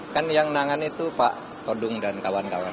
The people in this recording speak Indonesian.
kan yang nangan itu pak todung dan kawan kawan